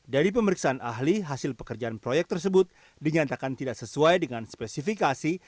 dari pemeriksaan ahli hasil pekerjaan proyek tersebut dinyatakan tidak sesuai dengan spesifikasi